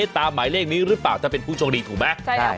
ตามหมายเลขนี้หรือเปล่าถ้าเป็นผู้โชคดีถูกไหม